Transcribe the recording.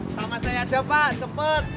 sama saya aja pak cepat